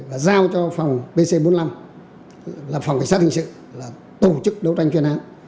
và giao cho phòng pc bốn mươi năm là phòng cảnh sát hình sự là tổ chức đấu tranh chuyên án